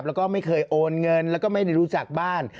แล้วก็ไม่เคยโอนเงินแล้วก็ไม่ได้รู้จักบ้าน